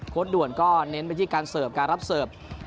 ด่วนก็เน้นไปที่การเสิร์ฟการรับเสิร์ฟ